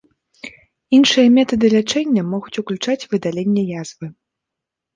Іншыя метады лячэння могуць уключаць выдаленне язвы.